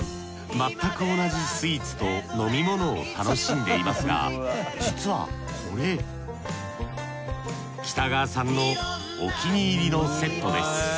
まったく同じスイーツと飲み物を楽しんでいますが実はこれ北川さんのお気に入りのセットです。